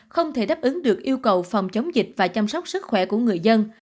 không thể đáp ứng được yêu cầu phòng chống dịch và chăm sóc sức khỏe của người dân